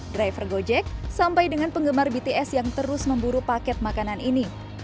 driver gojek sampai dengan penggemar bts yang terus memburu paket makanan ini